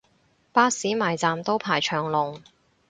巴士埋站都排長龍